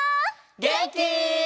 げんき？